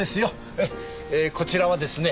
えこちらはですね